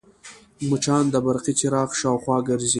مچان د برقي څراغ شاوخوا ګرځي